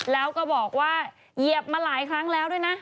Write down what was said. แล้วก็บอกว่าเหยียบมาหลายครั้งแล้วด้วยนะ